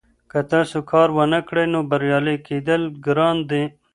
که تاسو کار ونکړئ نو بریالي کیدل ګران دي.